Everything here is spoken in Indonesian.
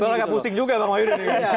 saya agak pusing juga bang wajid